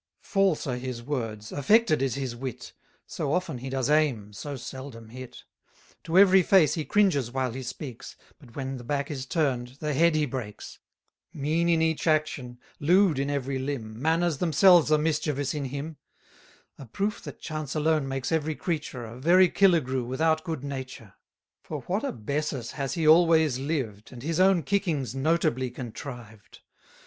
False are his words, affected is his wit; So often he does aim, so seldom hit; To every face he cringes while he speaks, But when the back is turn'd, the head he breaks: Mean in each action, lewd in every limb, Manners themselves are mischievous in him: A proof that chance alone makes every creature, 240 A very Killigrew without good nature. For what a Bessus has he always lived, And his own kickings notably contrived!